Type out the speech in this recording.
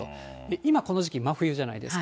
今、この時期、真冬じゃないですか。